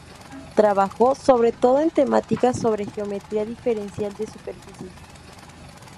Trabajó sobre todo en temáticas sobre geometría diferencial de superficies.